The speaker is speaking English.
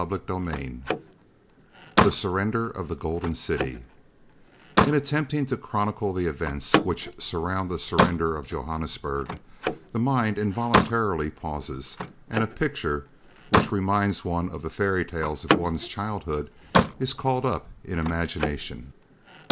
CHAPTER III THE SURRENDER OF THE GOLDEN CITY In attempting to chronicle the events which surround the surrender of Johannesburg, the mind involuntarily pauses, and a picture, which reminds one of the fairy tales of one's childhood, is called up in imagination.